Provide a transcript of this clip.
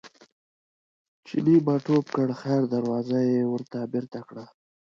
چیني به ټوپ کړ خیر دروازه یې ورته بېرته کړه.